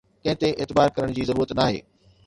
ڪنهن تي اعتبار ڪرڻ جي ضرورت ناهي